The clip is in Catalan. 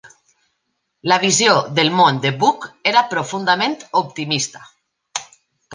La visió del món de Bucke era profundament optimista.